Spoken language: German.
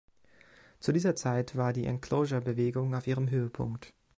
Zu dieser Zeit war die Enclosure-Bewegung auf ihrem Höhepunkt.